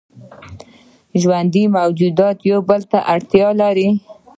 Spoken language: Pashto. ژوندي موجودات یو بل ته اړتیا لري